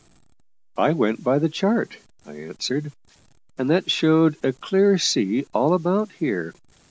"I went by the chart," I answered, "and that showed a clear sea all about here.